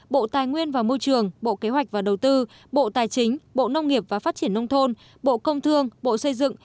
bộ tài nguyên và môi trường bộ kế hoạch và đầu tư bộ tài chính bộ nông nghiệp và phát triển nông thôn bộ công thương bộ xây dựng